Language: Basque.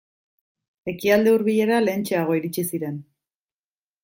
Ekialde Hurbilera lehentxeago iritsi ziren.